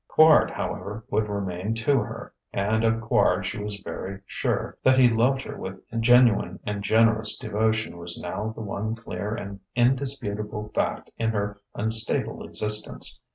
Quard, however, would remain to her; and of Quard she was very sure. That he loved her with genuine and generous devotion was now the one clear and indisputable fact in her unstable existence.